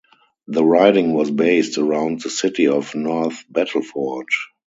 The riding was based around the city of North Battleford.